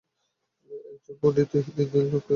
একজন পণ্ডিত ঐ তিন লেখ-কে এক অনুমান করেন।